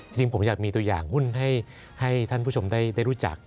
จริงผมอยากมีตัวอย่างหุ้นให้ท่านผู้ชมได้รู้จัก